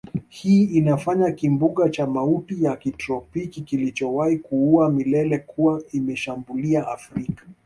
hii inafanya kimbunga cha mauti ya kitropiki kilichowahi kuuawa milele kuwa imeshambulia Afrika